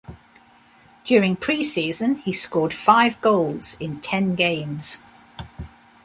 During pre-season, he scored five goals in ten games.